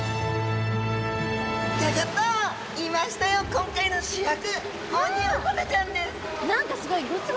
今回の主役オニオコゼちゃんです。